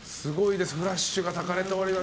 フラッシュがたかれております。